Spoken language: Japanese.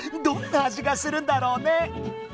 どんな味がするんだろうね！